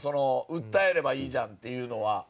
訴えればいいじゃんっていうのは。